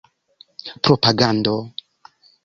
propagando